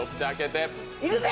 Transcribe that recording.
いくぜ！